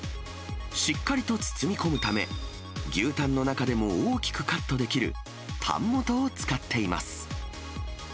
しっかりと包み込むため、牛タンの中でも大きくカットできるタン元を使っています。